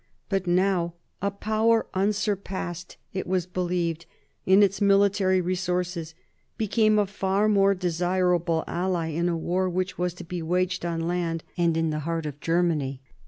But now \ a Power unsurpassed, it was believed, in its military resources became a far more desirable ally in a war which was to be waged on land and in the heart of Germany.